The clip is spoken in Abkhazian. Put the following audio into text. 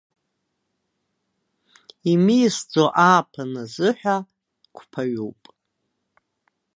Имиасӡо ааԥын азыҳәа қәԥаҩуп!